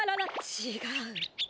ちがう！